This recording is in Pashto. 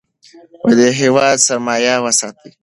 د هیواد سرمایه وساتئ.